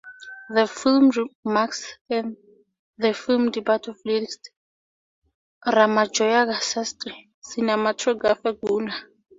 This film marks the film debut of lyricist Ramajogayya Sastry and cinematographer Guna.